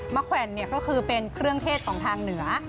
แขวนก็คือเป็นเครื่องเทศของทางเหนือ